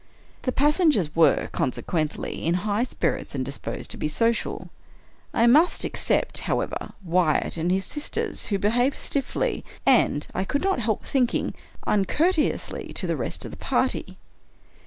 The passengers were, consequently, in high spirits and disposed to be social. I must except, however, Wyatt and his sisters, who behaved stiffly, and, I could not help thinking, uncourteously to the rest of the party.